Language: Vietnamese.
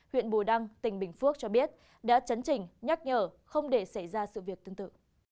huyện bù đăng tỉnh bình phước cho biết đã chấn chỉnh nhắc nhở không để xảy ra sự việc tương tự